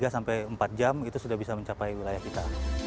tiga sampai empat jam itu sudah bisa mencapai wilayah kita